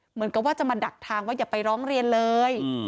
เหมือนกับว่าจะมาดักทางว่าอย่าไปร้องเรียนเลย